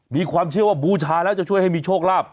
มีความเชื่อว่าบูชาแล้วจะช่วยให้มีโชคลาภ